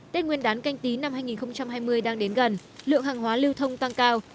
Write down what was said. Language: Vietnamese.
tết nguyên đán canh tí năm hai nghìn hai mươi đang đến gần lượng hàng hóa lưu thông tăng cao